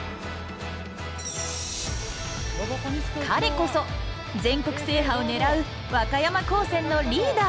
彼こそ全国制覇を狙う和歌山高専のリーダー！